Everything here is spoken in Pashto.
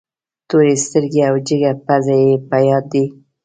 تورې سترګې او جګه پزه یې په یاد دي.